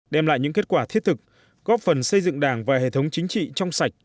đem lại những kết quả thiết thực góp phần xây dựng đảng và hệ thống chính trị trong sạch